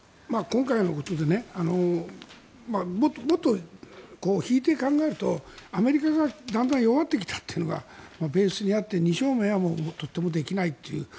今回のことでもっと引いて考えるとアメリカがだんだん弱ってきたというのがベースにあって、二正面はとてもできないという。